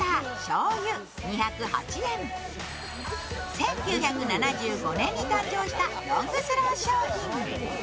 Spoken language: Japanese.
１９７５年に誕生したロングセラー商品。